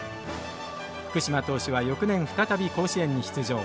福嶋投手は翌年再び甲子園に出場。